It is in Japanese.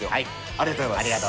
ありがとうございます。